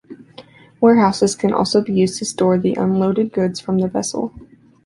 Warehouses can also be used to store the unloaded goods from the vessel.